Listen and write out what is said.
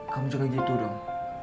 kamu jangan gitu dong